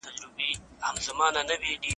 موږ ټول يو بل ته اړتيا لرو.